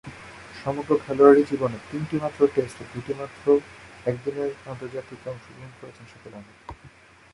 সমগ্র খেলোয়াড়ী জীবনে তিনটিমাত্র টেস্ট ও দুইটিমাত্র একদিনের আন্তর্জাতিকে অংশগ্রহণ করেছেন শাকিল আহমেদ।